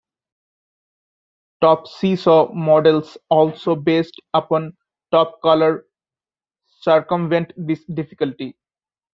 "Top Seesaw" models, also based upon Topcolor, circumvent this difficulty.